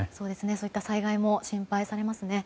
そういった災害も心配されますね。